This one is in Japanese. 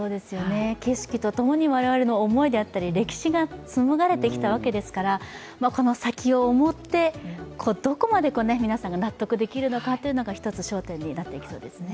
景色とともに我々の思いであったり、歴史が紡がれてきたわけですから先を思ってどこまで皆さんが納得できるのかというのが１つ焦点になってきそうですね。